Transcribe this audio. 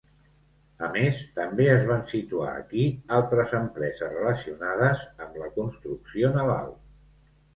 A més, també es van situar aquí altres empreses relacionades amb la construcció naval.